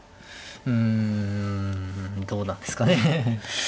うんどうなんですかね。